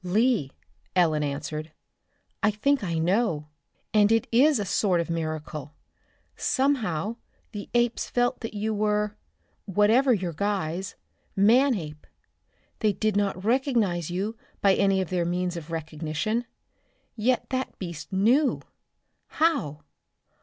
"Lee," Ellen answered, "I think I know, and it is a sort of miracle. Somehow the apes felt that you were whatever your guise Manape. They did not recognize you by any of their means of recognition; yet that beast knew! How?